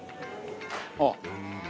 あっ。